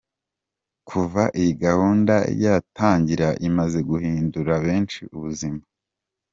Kuva iyi gahunda yatangira imaze guhindurira bensi ubuzima.